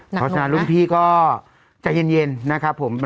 เพราะฉะนั้นรุ่นพี่ก็ใจเย็นนะครับผม